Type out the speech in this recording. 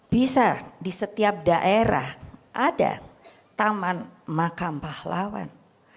bisa di setiap daerah ada taman makam pahlawan